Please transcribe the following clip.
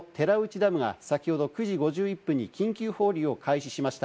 筑後川水系・佐田川の寺内ダムが先ほど９時５１分に緊急放流を開始しました。